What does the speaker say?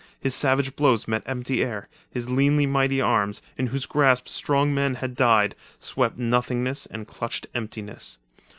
His savage blows met empty air, his leanly mighty arms, in whose grasp strong men had died, swept nothingness and clutched emptiness.